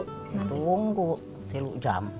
ditunggu tilu jam